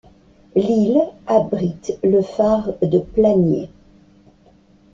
L'île abrite le phare de Planier.